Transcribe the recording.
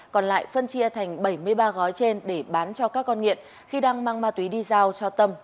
còn lại phân chia thành bảy mươi ba gói trên để bán cho các con nghiện khi đang mang ma túy đi giao cho tâm thì bị bắt giữ